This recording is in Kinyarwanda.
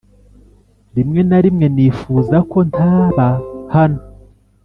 rimwe na rimwe nifuza ko ntaba hano.